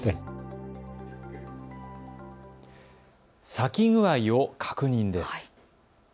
咲き具合を確認です。